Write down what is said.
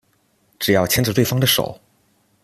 只要牵着对方的手